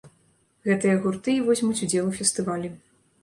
Гэтыя гурты і возьмуць удзел у фестывалі.